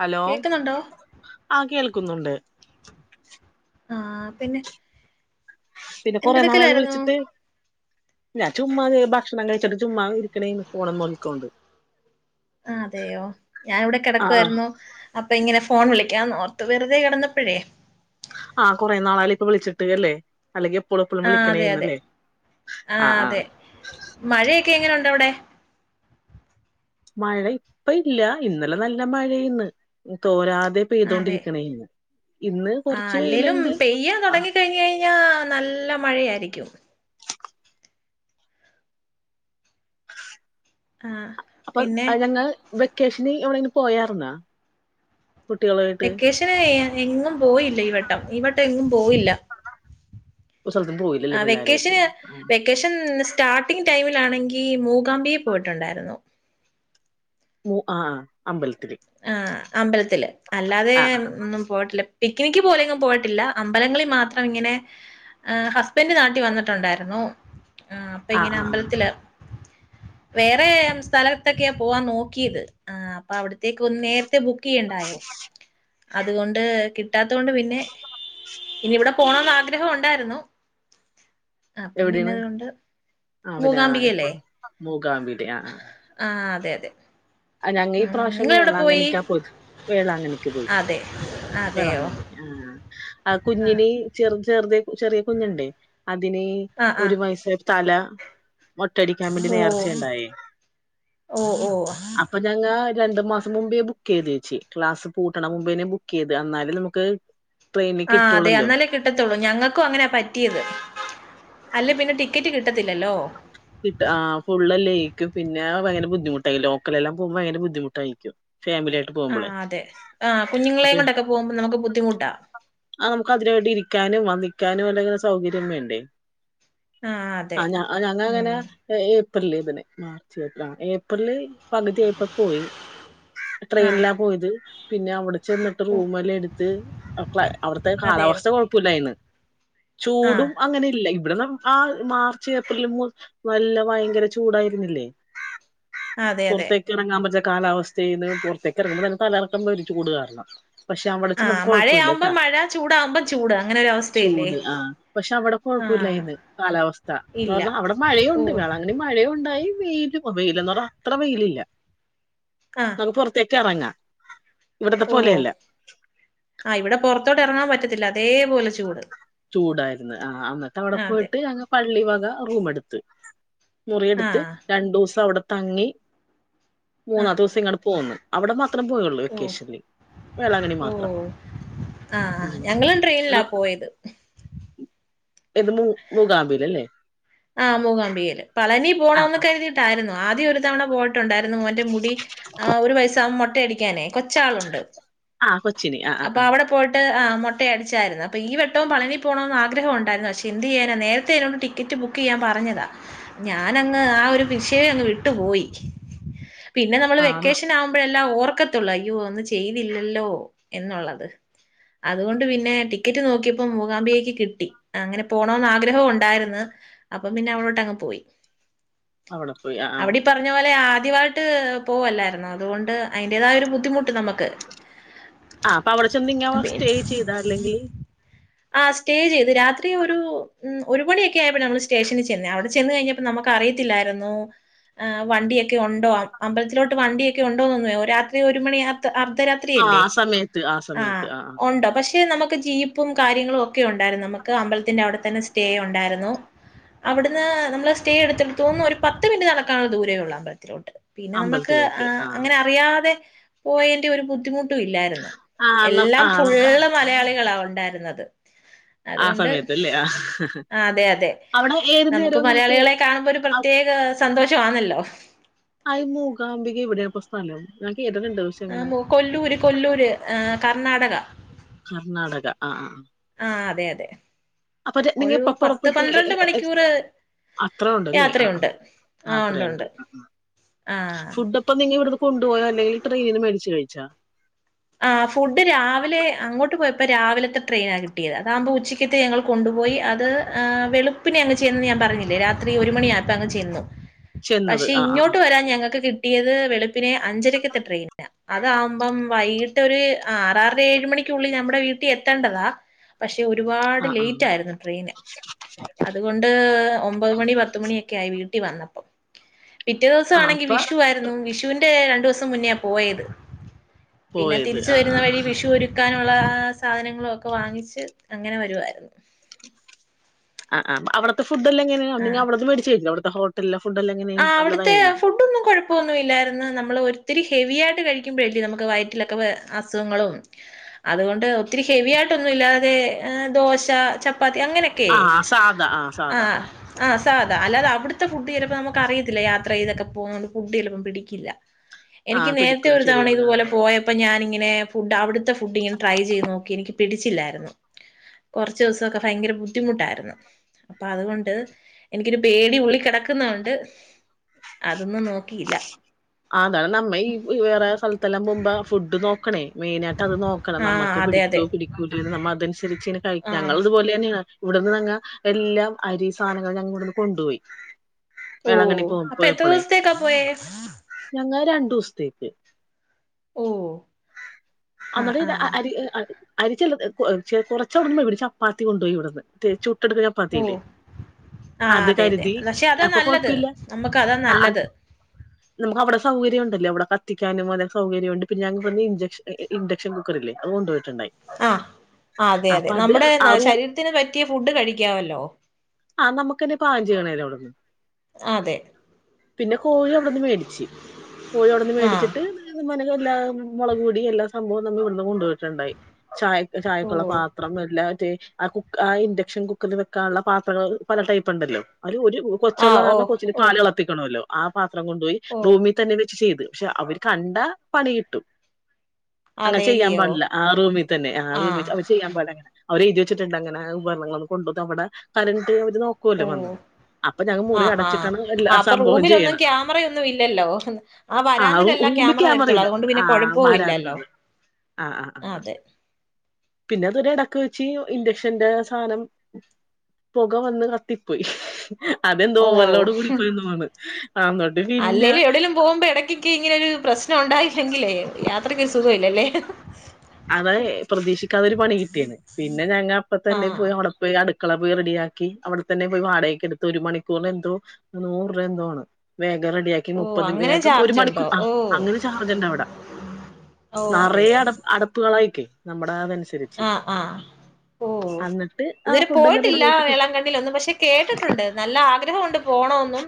Hello കേക്കുന്നുണ്ടോ ആ കേൾക് കുന്നുണ്ട് ആപിന്നെ കുറെ നാളായില്ലേ വിളിച്ചിട്ട് ചുമ്മ ഭക്ഷണം കഴിച്ചിട്ട് ചുമ്മാ ഇരിക്കുന്നെനു ഫോൺ നോ ക്യാണ്ട് അതെയോ ഞാനിവിടെ ആഹ് ആഹ് കിടക്കുവായായിരുന്നു പ്പങ്ങ്നെ ഫോൺ വിളിക്കാൻ ഓർത്ത് വെറുതെ കടന്നപ്പോഴേ കുറെ നാളായി പ്പം വിളിച്ചിട്ട് അല്ല അല്ലങ്കിൽ ആഹ് അതെ അതെ എപ്പള്ളഎപ്പളുംവിളിക്കണെർന്നു ക്കെഎങ്ങനെയുണ്ട് അവിടെ മഴ ഇപ്പോ ഇല്ല ഇന്നലെ നല്ല മഴയായിരുന്നു തോരാ അതെ കൊറച്ച് അല്ലേലും വെയില്ണ്ട് പെയ്യാൻ തോടങ്ങിക്കഴിഞ്ഞാൽ നല്ല മഴയാ ഇക്ക്യും ആഹ് അപ്പോ പിന്നെ അത് ഞങൾ വെക്കേഷനിൽ പോയർന്ന? വെക്കാഷനെ എഗും പോയില്ല ഈ വട്ടം പോയില്ല ഒരു സ്ഥലത്തും പോയില്ലല്ലേ ആ പിള്ളേരായിട്ട് വെക്കേഷന് ആഹ് വെക്കേഷൻ സ്റ്റാർട്ടിംഗ് ടൈമിലാണെങ്കി മൂകാംമ്പിയെ പോയിട്ടൊണ്ടായിരുന്നു ഉ ആഹ് അമ്പലത്തില് ആ അമ്പലത്തില് അല്ലാതെ ആഹ് ആഹ് ഒന്നും പോയിട്ടില്ല പിക്നിക്ക് പോലെയെങ്ങും പോയിട്ടില്ല അമ്പലങ്ങളി മാത്രം ഇങ്ങനെ ഹസ്ബൻഡ് നാട്ടി വന്നിട്ടൊണ്ടായിരുന്നു ആഹ് അപ്പ ഇങ്ങനെ ആഹ് ആഹ് അമ്പലത്തില വേറെം സ്ഥലത്തക്കെയാ പോവാൻ നോക്കിയത് ആ അപ്പ അവിടെ അവിടെത്തക്ക് ഒന്ന് നേരത്തെ ബുക്ക് ചെയ്യണ്ടായോ അതുകൊണ്ട് കിട്ടാ അതുകൊണ്ട് പിന്നെ ഇനി ഇവിടെ പോണോന്ന് ആഗ്രഹം ഉണ്ടാരുന്നു അ അപ്പം പിന്നെ എവിടെയാണ് അതുകൊണ്ട് മൂകാംബികല്ലേ ഗാമ്പീടെ ആ ആഹ് അതെ അതെ ആ ഞങ്ങ ഈ ഉം പ്രാവശ്യം നിങ്ങളെവിടെ പോയി വേളാങ്ങണിക്കാ പോയത് വേളാങ്ങണിക്ക് പോയി അതെ അതെയോ വേളാങ്കണി ആഹ് ആ ആഹ് കുഞ്ഞിന് ചെറ് ചെറുതെ ചെറിയ കുഞ്ഞുണ്ടേ അതിനെ ആഹ് ഒരു ആഹ് വയസ തല മൊട്ടടിക്കാൻ വേണ്ടി നേർച്ചയുണ്ടായ് ഓ ഓ ഓ ഞങ്ങ രണ്ടു മാസം മുമ്പേ ബുക്ക് ചെയ്ത് വെച്ച് ക്ലാസ് പൂട്ടണം മുമ്പേനെ ബുക്ക് ചെയ്ത് അന്നാല് നമുക്ക് ട്രെയിനിൽ ആ അതെ കിട്ടുള്ളല്ലോ അന്നാലേ കിട്ടത്തോള്ളൂ ഞങ്ങക്കും അങ്ങന പറ്റിയത് അല്ലേ പിന്നെ ടിക്കറ്റ് കിട്ടത്തില്ലല്ലോ കിട്ട് ആ ഫുള്ള് അല്ലെ ഇക്ക് പിന്നെ ഭയങ്കര ബുദ്ധിമുട്ടായി ലോക്കലെല്ലാം പോവുമ്പ ഭയങ്കര ബുദ്ധിമുട്ടായിരിക്കും ഫാമിലി ആയിട്ട് പോകുമ്പോളേ ആഹ് അതെ ആഹ് കുഞ്ഞുങ്ങളെ അപ്പൊ കൊണ്ടൊക്കെ പോമ്പോ നമുക്ക് ബുദ്ധിമുട്ടാ ക്കാനും അല്ലങ്ങിലും സൗകര്യം വേണ്ടേ ആഹ് അതെ അങ്ങന ഉം പോയി ഏപ്രില് ഇതിനെ മാർച്ച് ഏപ്രിൽ ആ ഏപ്രില് പകുതിയപ്പോ പോയി ആഹ് ട്രെയിനിലാ പോയത് പിന്നെ അവിടെ ചെന്നിട്ട് ഓ റൂമെല്ലാം എടുത്ത് ആ ക്ലൈ അവിടുത്തെ അതെയോ കാലാവസ്ഥ കൊഴപ്പവില്ലായിരുന്ന് ആഹ് ചൂടും അങ്ങനെ ഇല്ല ഇവിടുന്ന് മാ മാർച്ച് ഏപ്രിൽ മൂ നല്ല ഭയങ്കര ചൂടായിരുന്നില്ലേ അതെ അതെ പുറത്തേക്കിറങ്ങാൻ പറ്റത്ത കാലാവസ്ഥയില് പുറത്തേക്കിറങ്ങുമ്പോ തന്നെ തലകറക്കം വരും ചൂടു കാരണം പക്ഷെ അവിട ചെന്നപ്പോ ആഹ് മഴയാവുമ്പോ കൊഴപ്പവില്ലട്ടാ മഴ ചൂടാവുമ്പോ ചൂട് അങ്ങനെ ഒരു അവസ്ഥയല്ലേ ചൂട് ആ പക്ഷെ അവിട ആഹ് കുഴപ്പല്ലായിന്ന് കാലാവസ്ഥ എന്ന് ഇല്ല പറഞ്ഞ അവിടെ ഓ മഴയൂണ്ട്. [unintelligible] മഴയു ണ്ടായിവെയിലു വെയിലന്ന് പറഞ്ഞാ അത്ര വെയിലില്ല. ആഹ് നമുക്ക് പൊറത്തേ ക്കെറങ്ങാ. ഓ ഓ ആ ഇവിടെ പൊർ ത്തോട്ട് എറങ്ങാൻ പറ്റത്തില്ല അതേ പോലെചൂട് ചൂടായിരുന്ന് ആ അന്നിട്ടവിടെ പോയിട്ട് അങ്ങ് പള്ളി വക റൂം എടുത്ത് മുറിയെടുത്ത് ആഹ് രണ്ടൂസം അവിടെ തങ്ങി ആഹ് മൂന്നാത്തെ ദിവസം ഇങ്ങട് പോന്നു അവിടെ മ ഓ ഓ മാത്രം ആ ഉം ഞങ്ങളും ആ, ട്രെയിനിലാ പോയത് ഇത് മൂ മൂകാംബികല്ലേ ആ മൂകാംമ്പികയില് പളനി പോണംന്ന്‌ കരുതിയിട്ടായിരുന്നു ആദ്യം ഒരു തവണ പോ ട്ടുണ്ടായിരുന്നു മോന്റെ മുടി ആ ഒരു വയസാകുമ്പോ മൊ മൊട്ടയടിക്കാനെ കൊച്ചാളുണ്ട് ആ കൊച്ചിന് ആ ആ അപ്പ അവടെ പോയിട്ട് ആ മൊ മൊട്ട അടിച്ചാരുന്നു അപ്പോ ഈ വട്ടവും പളനി പോണമെന്ന് ആഗ്രഹവൊണ്ടാരുന്നു പക്ഷെ എന്ത് ചെയ്യാനാ നേരത്തെ ആയതോണ്ട് ടിക്കറ്റ് ബുക്ക് ക്ക്‌ ചെയ്യാൻ പറഞ്ഞതാ ഞാനങ്ങ് ആ ഒരു വിഷയേ അങ്ങ് വിട്ടു പോയി പിന്നെ നമ്മള് ആ ആ വെക്കേഷനാകുമ്പഴല്ലാ ഓ ഓർക്കത്തൊള്ളൂ അയ്യോ ഒന്നും ചെയ്തില്ലല്ലോ എന്നൊള്ളത് അതുകൊണ്ട് പിന്നെ ടിക്കറ്റ് നോക്കിയപ്പോ മൂകാംബികയ്ക്ക് കിട്ടി അങ്ങനെ പോണന്ന് ആഗ്രഹം ഒണ്ടാരുന്ന്‌ അപ്പൊ പിന്നെ അവടങ്ങോട്ട് പോയി അവിടെ പോയി ആ ആ അവിടീ പറഞ്ഞപോലെ ആദ്യ- ട്ട് പോകുവല്ലായിരുന്നോ അതുകൊണ്ട്അതിൻറെ തായഒരു ബുദ്ധിമുട്ട് നമുക്ക്- ആ അവിടെ ചെന്ന് നിങ്ങാ സ്റ്റേ ചെയ്താ അല്ലെങ്കി- ആ സ്റ്റേ ചെയ്തു രാത്രി ഒരു ഒര് മണി ആയപ്പോ സ്റ്റേഷനിൽ ചെന്ന്ആ അവിടെ ചെന്ന് കഴിഞ്ഞപ്പോൾ നമുക്ക് അറിയത്തില്ലായിരുന്നു വണ്ടിയൊക്കെ ഉണ്ടോ അമ്പലത്തിലോട്ട് വണ്ടിയൊക്കെ ഉണ്ടോ ന്നേരാത്രി ഒരു മണിആയ അർദ്ധരാത്രിയല്ലേ ആ ഉണ്ടോ പക്ഷേ- പിന്നെ നമുക്ക് ജീപ്പും കാര്യങ്ങളൊക്കെ ഉണ്ടായിരുന്നു നമുക്ക് അമ്പലത്തിന്റെ അവിടത്തന്നെ സ്റ്റേ ഉണ്ടായിരുന്നു അവിടുന്ന് നമ്മൾ സ്റ്റേ എടുത്തൊന്നും ഒരു പത്ത് മിനിറ്റ് നടക്കാവുന്ന ദൂരമേ ഉള്ള അമ്പലത്തിലോട്ട് പിന്നെ നമ്മക്ക് ആ അങ്ങനെഅറിയാതെ പോയേന്റെ ഒരു ബുദ്ധിമു- ഹൂം ഇല്ലായിരുന്നു ആ ന ആ എല്ലാം നമുക്ക് ഫുള്ള് മലയാളികളാ ഉണ്ടായിരുന്നേ ത് - ആ അതുകൊണ്ട് സമയത്തല്ലേ ആ ആ അതെ അതെ അവിടെ ഏത് നമുക്ക് നേരവും മലയാളികളെ കാണുമ്പോൾ ഒരു ആ പ്രത്യേക സന്തോഷം- ആന്നല്ലോ അയ് മൂകാംബിക എവിടെയാഇപ്പം സ്ഥലം- കേട്ടിട്ടുണ്ട് പക്ഷെ ആ അങ്ങനെ മൂ കൊല്ലൂര് കൊല്ലൂര് ആ കർണാടക കർണാടക ആ ആ ആ അതെ അതെ ഒരു പത്ത് പന്ത്രണ്ട് മണിക്കൂർ [unintelligible] അത്രയുണ്ടല്ലോ ആ യാത്രയുണ്ട് ആഹ് ഉണ്ട് അത്രയുണ്ട് ഉണ്ട് ആഹ് ഫുഡ് ഒക്കെ നിങ്ങൾ ഇവിടുന്ന് കൊണ്ടുപോയോ ട്രെയിനിൽ മേടിച്ചു കഴിച്ചോ ചാ ആ ഫുഡ് രാവിലെ അങ്ങോട്ട് പോയ പ്പ- രാവിലത്തെ ട്രെയിനാ കിട്ടിയത് അതാവുമ്പോ ഉച്ചത്തേക്ക് ഞങ്ങൾ കൊണ്ടുപോയി അത് വെളുപ്പിനെ അങ്ങ് ചെന്ന് ഞാൻ പറഞ്ഞില്ലേ രാത്രി ഒരു മണിയായപ്പോൾ ചെന്നു- ചെന്നത് പക്ഷേ ആ ആ ഇങ്ങോട്ട് വരാൻ ഞങ്ങൾക്ക് കിട്ടി- ട്ടിയത് വെളുപ്പിനെ അഞ്ചരക്കൽത്തെ ട്രെയിനാ അതാവുമ്പം വൈകി ട്ട് ഒരു ആറാറര ഏഴ് മണിക്ക് ഉളളി നമ്മുടെ വീട്ടിയെത്തേണ്ടതാ പക്ഷേ- ഒരുപാട് ആ ആ ആ ലേറ്റ് ആയിരുന്നു ട്രെയിന് അതുകൊണ്ട് ഒമ്ബത് മണി പത്ത് മണിഒക്കെ ആയി വീട്ടി- ട്ടിൽ വന്നപ്പോ പിറ്റേദിവസം ആ ആണെങ്കി അപ്പൊ വിഷു ആയിരുന്നു വിഷുന്- രണ്ടുദിവസം മുന്നേ പോയത് പിന്നെ പോയത് തിരിച്ചു ആ ആ വരുന്ന വഴി വിഷുഒരുക്കാൻ- ഉള്ള സാധനങ്ങളൊക്കെ വാങ്ങിച്ച് അങ്ങനെ വരുവാരുന്നു- ആആഅവിട്തെ ഫുഡല്ലേ അങ്ങനെ നിങ്ങൾ അവിടുന്ന് വാങ്ങിച്ച് കഴിച്ചോ ഹോട്ടലിലോ ആ അവിടുത്തെ ഫുഡ് ഒന്നും കുഴപ്പമൊന്നുമില്ലാ ആയിരുന്നു നമ്മൾ ഒരു- ഒത്തിരി ഹെവിയായിട്ട് കഴിക്കുമ്പോഴല്ലേ നമ്മുടെ വയറ്റിൽ ഒക്കെ അസുഖങ്ങള് അതുകൊണ്ട് ഒത്തിരി ഹെവി ആയിട്ട് ഒന്നുമില്ലാതേ ദോശ ചപ്പാ- പ്പതി ങ്ങനെക്കെ ആ സാധാ ആ സാധാ ആഹ് ആഹ് - സാധാ അല്ലാതെ അവിടുത്തെ ഫുഡ് ചിലപ്പോ നമ്മുക്ക്. നിക്ക് അറിയത്തില്ല യാത്ര ചെയ്തൊക്കെ പോകുന്ന കൊണ്ട് ഫുഡ് ചിലപ്പം പിടിക്കില്ല. എനിക്ക് ആഹ് നേരത്തെ പിടിക്കൂല ഒരു തവണ ശരിയാണ് ഇതുപോലെ പോയപ്പോ ഞാനിങ്ങനെ. ഫുഡ് അവിടു അവിടുത്തെ ഫുഡ് ഞാൻ ട്രൈ ചെയ്നോക്കി എനിക്ക്. പിടിച്ചില്ലായിരുന്നു കുറച്ച് ദിവസമൊക്കെ ഭയങ്കര ബുദ്ധിമുട്ടായിരുന്നു അപ്പൊ അതുകൊണ്ട് എനിക്കൊരു പേടി ഉള്ളി കിടക്കുന്ന കൊണ്ട്. അതൊന്നും നോക്കിയില്ല. അതാണ് നമ്മ ഈ വേറെ സ്ഥലത്തെല്ലാം പോവുമ്പം ഫുഡ് നോക്കണേ. മെയിനായിട്ട് അത് നോക്കണം ആഹ് നമുക്ക് അതെ അതെ പിടിക്കുവോ പിടിക്കുല്ലേ നമ്മ അതനുസരിച്ച്‌. കൊച്ചിനു കഴിക്കാന് ആഹ് ഞങ്ങളിതുപോലെ തന്നെയാ. ഇവിടുന്ന് ഞങ്ങ എല്ലാം അരി സാധനങ്ങളും ഞങ്ങൾ ഇവിടുന്ന് കൊണ്ടുപോയി. ഓ വേളാങ്കണ്ണി പോ അപ്പൊ എത്ര ദിവസത്തേക്കാ പോയേ. ഞങ്ങള് രണ്ടു ദിവസത്തേക്ക്. ഓ ആഹ് എന്നിട്ട് പിന്നെ ആഹ് അരിഇത്. അരിച്ച കൊറച്ചവിടുന്ന് ഇവിടെ ചപ്പാത്തി കൊണ്ട്പോയി ഇവിടുന്ന്. ചുട്ടെടുക്കുന്ന ഓ ചപ്പാത്തിയില്ലേ ആഹ് അത് അതെ അതെ കരുതി പക്ഷെ അതാ അപ്പൊ നല്ലത് കൊഴപ്പില്ല നമ്മുക്ക് അതാ ആഹ് നല്ലത്. നമുക്ക് അവിടെ സൗകര്യം ഉണ്ടല്ലേ അവിടെ കത്തിക്കാനും അതെ സൗകര്യമുണ്ട് ഞങ്ങക്ക് വന്ന് ഇൻ ജക്ഷൻ ഇൻഡക്ഷൻ കുക്കറില്ലേ അത് കൊണ്ട് പോയി. ആഹ് അതെ അതെ അത് നമ്മുടെ അറു ശരീരത്തിന് പറ്റിയ ഫുഡ് കഴിക്കാവല്ലോ. ആ നമുക്കന്നെ പാകം ചെയ്യണേല്ലോ അവിടുന്ന് അതെ. പിന്നെ കോഴി വന്ന് മേടിച്ചു. പോയി അവിടന്ന് ആഹ് മേടിച്ചിട്ട് മേ എല്ലാ മുളക് പൊടി എല്ലാ സംഭവവും നമ്മ ഇവിടുന്ന് കൊണ്ടുപോയിട്ടുണ്ടായി ചായ. ഓ ചായക്കുള്ള പാത്രം എല്ലാറ്റി ആ കു ആ ഇൻഡക്ഷൻ കുക്കറിൽ വെക്കാനുള്ള പാത്രങ്ങള്. പല ടൈപ്പ് ഉണ്ടല്ലോ അയില് ഒരു കൊച്ചുള്ള ആഹ് ഓ കാരണം കൊച്ചിന് ഓ പാല് തിളപ്പിക്കണമല്ലോ. ആഹ്. പത്രം കൊണ്ട്പോയി ഓ റൂമി തന്നെ വ ചെയ്ത് പക്ഷെ അവര് കണ്ടാ പണി കിട്ടും. അങ്ങനെ ചെയ്യാൻ അതേല്ലിയോ പാടില്ല ആ റൂമിൽ തന്നെ ആ റൂമി ആഹ് അവരെഴുതി വച്ചിട്ടുണ്ട് അങ്ങനെ ഉപകരണങ്ങൾ ഒന്നും കൊണ്ട് വന്ന് അവിടെ കരണ്ട് നോക്കുവല്ലോ അവര് ഓ വന്ന് അപ്പൊ ഞങ്ങ മുറി അടച്ചിട്ടാണ് 'എല്ല സംഭവും ചെയ്യണത്. മറയൊന്നും ഇല്ലല്ലോ ആ വരാന്തിലല്ലാ റൂമിൽ ക്യാമറ വരുത്തുള്ളൂ ഇല്ല അതുകൊണ്ട് പിന്നെ ആ കുഴപ്പോവില്ലല്ലോ വാരാതിരുള്ളു ആ അതെ തിന്റെടക്ക് വെച്ച് ഇൻഡക്ഷന്റെ സാനം പൊക വന്ന് കത്തിപ്പോയി അതെന്തോ ഓ ഓവർല്ലോട് കൂടിപ്പോയിന്തോന്നണ് അല്ലേലും എവിടേലും പോവുമ്പോ എടക്കെകേ ഇങ്ങ നെ പ്രശ് നുണ്ടായില്ലെങ്കിലേ യാത്രക്കൊരു സുഖോ ല്ലല്ലേ അതെ പ്രതീക്ഷിക്കാതൊരു പണികിട്ടിയേന്ന് പിന്നെ ഞങ്ങ അപ്പതന്നെ ആഹ് പോയി അവടെ പോയി അട് ക്കളെ പോയി റെഡിയാക്കി അവിടെ തന്നെ പോയി വാടകക്ക് എടുത്തു ഒരു മണിക്കൂറിനെന്തോ നൂറ്രൂ എന്തോ ആണ് വേ ഗം റെഡിയാക്കി ഓ മുപ്പത് അങ്ങനെ വേഗം ഒരു ചാർജുണ്ടോ മണിക്കൂർ ആ ഓ അങ്ങനെ ചാർജ്ണ്ടവടെ ഓ നറയെ അതെയോ അട അട [unintelligible] നമ്മടെ [unintelligible] ആ ആ ഓ അന്നിട്ട് ആ ഇതുവരെ ഫുഡെല്ലാം പോയിട്ടില്ല റെഡിയാക്കി വേളങ്കണ്ണീലൊന്നും പക്ഷെ കേട്ടിട്ടുണ്ട് നല്ല ആഗ്രഹം ഒണ്ട് പോണൊ ന്നും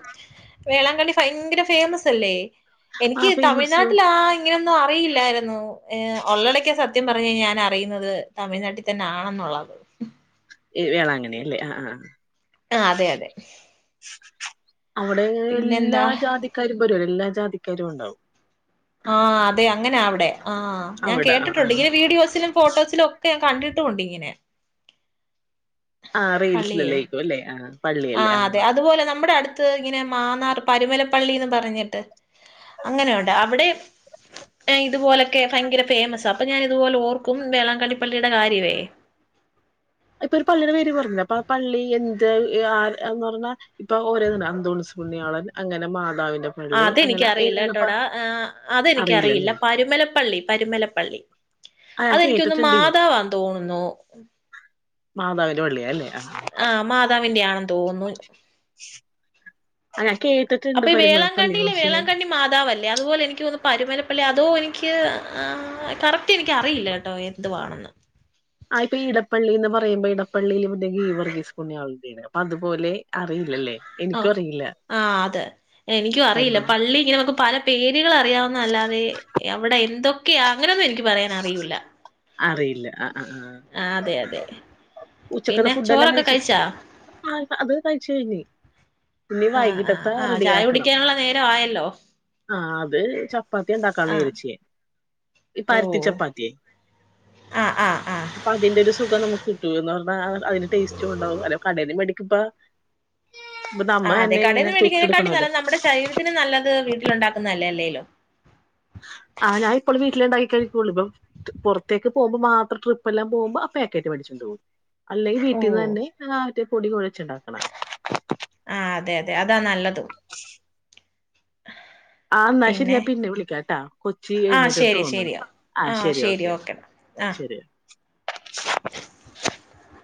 വേളാങ്കണ്ണി ഫയങ്കര ഫേമസ് അല്ലേ ആ എനിക്ക് ഫേമസ് തമിഴ്നാട്ടിലാ ഇങ്ങനെയൊന്നും അറിയില്ലായിരുന്നു ഏഹ് ഒള്ളടക്കാ സത്യം പറ ഞ്ഞെയ്ഞ്ഞ ഞാൻ അറിയുന്ന ത് തമിഴ്നാട്ടിൽ തന്നെ ആണെന്നുള്ളത് ഈ വേളാങ്കണ്ണിയല്ലേ ആ ആ ആ ആ അതെ അതെ അവിടെ [unintelligible] ല്ലാ പിന്നെന്താ ജാതിക്കാരും വരും എല്ലാ ജാതിക്കാരും ഉണ്ടാവും ആ അതെ അങ്ങനാ അവ്ടെ ആ ഞാൻ അവിടെ ആ ആ കേിട്ടുണ്ട് ഇങ്ങനെ വീഡിയോസിലും ഫോട്ടോസിലും ഒ ക്കെ ഞാൻ കണ്ടിട്ടുണ്ട് ഇങ്ങനെ ആ പള്ളിയെ റീൽസിലല്ലേക്കും അല്ലേ ആ പള്ളിയല്ലേ ആ ത്ത് ഇങ്ങനെ മാന്നാർ പരുമലപ്പള്ളിന്ന് പറഞ്ഞിട്ട് അങ്ങനെയൊണ്ട് അവിടേം ഇതുപോലൊക്കെ ഭയങ്കര ഫേമസ് അപ്പൊ ഞാൻ ഇതുപോലെ ഓർക്കും വേളാങ്കണ്ണിപ്പള്ളിയുടെ കാര്യവേ ഇപ്പൊ ഒരു പള്ളിടെ പേര് പറഞ്ഞില്ലേ അപ്പ ആ പള്ളി എന്ത് എ ആർ എന്നറഞ്ഞ ഇപ്പൊ ഓരോണ്ട് അന്തോണുസ് പുണ്യാളൻ അങ്ങനെ മാതാവി ആ അതെനിക്കറിയില്ലേട്ടോടാ ഏഹ് അതെനിക്കറിയില്ല അറിയില്ലല്ലേ പരുമലപ്പള്ളി പരുമലപ്പള്ളി ആ ഞാൻ അതെനിക്കൊന്നു കേട്ടിട്ടുണ്ട് മാതാവാന്ന് തോന്നുന്നു മാതാവിന്റെ പള്ളിയാ അല്ലേ ആ മാതാവിന്റെ ആണ തോന്നു അന്നെ അപ്പൊ ഈ വേളാങ്കണ്ണീല് വേളാങ്കണ്ണി മാതാവല്ലേ അതുപോലെ എനിക്കൊനു പരുമലപ്പള്ളി അതോ എനിക്ക് ആ കറക്റ്റ് എനിക്കറിയില്ല കേട്ടോ എന്തുവാണെന്ന് ആ ഇപ്പൊ ഇടപ്പള്ളിന്ന് പറയിമ്പ ഇടപ്പള്ളിയില് വ്ടെ ഗീവർഗീസ് പുണ്യാളന്റെണ് അപ്പൊ അതുപോലെ അറിയില്ലല്ലേ ഓ എനിക്കും അറിയില്ല ആ അതെ എനിക്കും അറിയില്ല വരുന്നത് പള്ളി ഇങ്ങനെ മ്മക്ക് പല പേ നിങ്ങൾ അറിയാവുന്നല്ലാതെ അവിടെ എന്തൊ ഒക്കെ അങ്ങനൊയൊന്നും എനിക്ക് പറയാന അറിയൂല്ല. അറിയില്ല ആ ആ ആഹ ആഹ് അതെ അതെ ഉച്ചക്കടെ പിന്നെ ഫുഡ് എല്ലാം ചോറൊക്കെ കഴിച്ചു കഴിച്ചാ ആ അത് കഴിച്ചു കഴിഞ്ഞ് ഇനി ആഹ് വൈകിട്ടത്ത ആഹ് ആഹ് റെഡിയ ചായ ആക്കണം കുടിക്കാനുള്ള നേരം ആയല്ലോ ആ അത് ചപ്പാത്തി ഉണ്ടാക്കാന്ന് ആഹ് വിചാരിച്ച് ഈ പരുത്തി ഓഹ് ചപ്പാത്തിയേ ആഹ് ആഹ് ആഹ് അപ്പൊ അതിന്റെ ഒരു സുഖം നമുക്ക് നർ [unintelligible] ആ അതിന് ടേസ്റ്റും ഉണ്ടാവും അല്ലോ കടെന്ന് മേടിക്കുമ്പം [unintelligible] ആ അതെ കടേന്ന് മേടിക്കണെക്കാട്ടി നല്ല നമ്മടെ ശരീരത്തിന് നല്ലത് വീട്ടിലുണ്ടാക്കുന്ന അല്ലെ അല്ലേലും ആ ഞാ ഇപ്പളും വീട്ടിലെ ണ്ടാക്കി കഴിക്കൊള്ളേ. ഇപ്പം പൊർത്തേക്ക് പോവ്മ്പോ മാത്രം ട്രിപെല്ലാം പോവ്മ്പം ആ പേക്കറ്റ് മേട്ച്ചോണ്ട് പോകും. അല്ലെ ഓഹ് വീട്ടീന്നന്നെ ആഹ് റ്റ് പൊടി കൊഴച്ച് ണ്ടാക്കണ അഹ് അതെ അതെ അതാ നല്ല [inaudible] ആ എന്നാ ശരിയാ പിന്നെ വിളിക്കാംട്ടാ കൊച്ച് ആ എഴുന്നേറ്റ്ന്ന് ശരി തോന്നണ് ശരിയാ ആഹ ആ ശരി ഓക്കേ എന്നാ ഓക്കെടാ ആ ശരിയാ [inaudible]